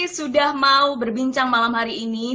sudah mau berbincang malam hari ini